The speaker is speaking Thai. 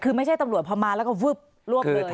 คือไม่ใช่ตำรวจพอมาแล้วก็วึบรวบเลย